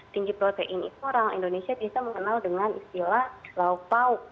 tinggi protein itu orang indonesia bisa mengenal dengan istilah lauk pauk